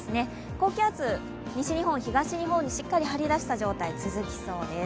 高気圧、西日本、東日本にしっかり張り出した状態が続きそうです。